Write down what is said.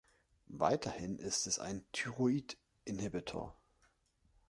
Weiterhin ist es ein Thyroid-Inhibitor.